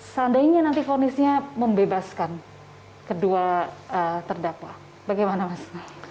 seandainya nanti fonisnya membebaskan kedua terdakwa bagaimana mas